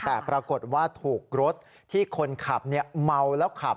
แต่ปรากฏว่าถูกรถที่คนขับเมาแล้วขับ